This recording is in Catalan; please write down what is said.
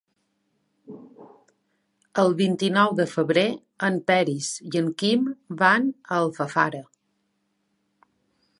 El vint-i-nou de febrer en Peris i en Quim van a Alfafara.